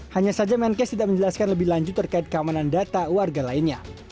hanya saja menkes tidak menjelaskan lebih lanjut terkait keamanan data warga lainnya